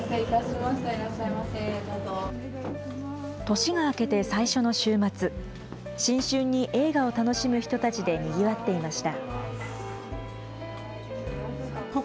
年が明けて最初の週末、新春に映画を楽しむ人たちでにぎわっていました。